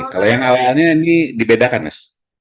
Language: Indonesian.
kalau yang alaannya ini dibedakan pak